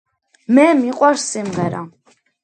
მე მიყვარს სიმღერა